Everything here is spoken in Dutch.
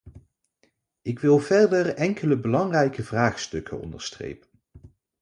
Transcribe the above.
Ik wil verder enkele belangrijke vraagstukken onderstrepen.